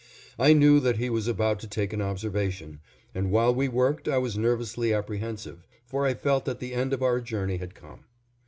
I knew that he was about to take an observation, and while we worked I was nervously apprehensive, for I felt that the end of our journey had come.